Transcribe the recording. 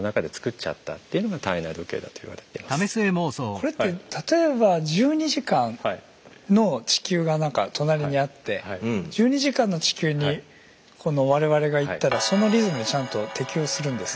これって例えば１２時間の地球がなんか隣にあって１２時間の地球にこの我々が行ったらそのリズムにちゃんと適応するんですか？